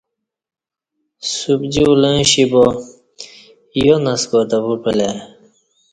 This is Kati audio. سُبجی اولں اشی با یو نسکار تں وُپعلہ ای